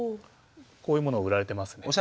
こういうものが売られてますね。